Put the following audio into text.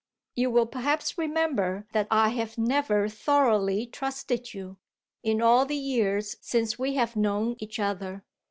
You will perhaps remember that I have never thoroughly trusted you, in all the years since we have known each other.